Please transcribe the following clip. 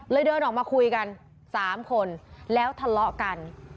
เดินออกมาคุยกัน๓คนแล้วทะเลาะกัน